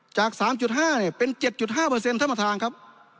จากสามจุดห้าเนี่ยเป็นเจ็ดจุดห้าเปอร์เซ็นต์ธรรมทางครับ